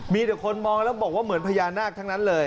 มีแต่คนมองแล้วบอกว่าเหมือนพญานาคทั้งนั้นเลย